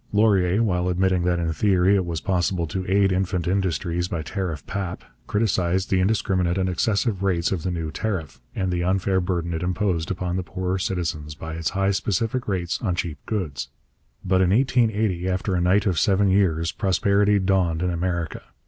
Laurier, while admitting that in theory it was possible to aid infant industries by tariff pap, criticized the indiscriminate and excessive rates of the new tariff, and the unfair burden it imposed upon the poorer citizens by its high specific rates on cheap goods. But in 1880, after a night of seven years, prosperity dawned in America.